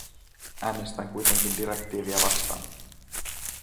Äänestän kuitenkin direktiiviä vastaan.